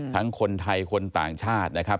คนไทยคนต่างชาตินะครับ